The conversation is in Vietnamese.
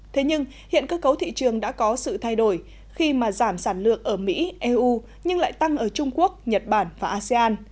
thế nhưng hiện cơ cấu thị trường đã có sự thay đổi khi mà giảm sản lượng ở mỹ eu nhưng lại tăng ở trung quốc nhật bản và asean